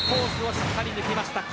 しっかり抜けました。